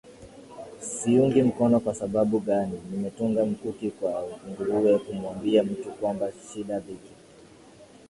siungi mkono kwa sababu gani nimetunga mkuki kwa nguruwe kumwambia mtu kwamba shida dhiki